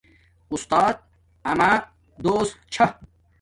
اُستات اما دوست چھا